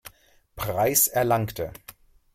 Preis erlangte.